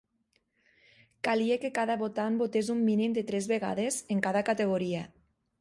Calia que cada votant votés un mínim de tres vegades en cada categoria.